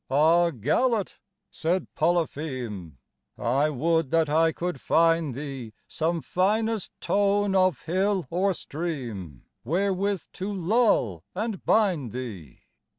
"Ah, Galate," said Polypheme, "I would that I could find thee Some finest tone of hill or stream, wherewith to lull and bind thee!